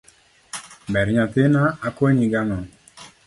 ber nyathina akonyi gang'o?